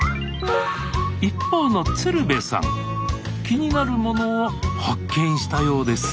一方の鶴瓶さん気になるものを発見したようです